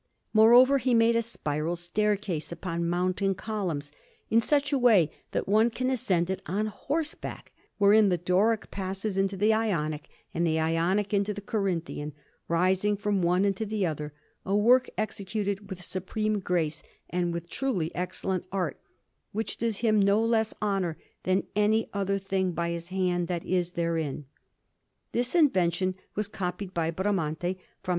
Moreover, he made a spiral staircase upon mounting columns, in such a way that one can ascend it on horseback; wherein the Doric passes into the Ionic, and the Ionic into the Corinthian, rising from one into the other; a work executed with supreme grace, and with truly excellent art, which does him no less honour than any other thing by his hand that is therein. This invention was copied by Bramante from S.